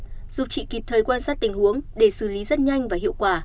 giúp chị kịp thời quan sát tình huống để xử lý rất nhanh và hiệu quả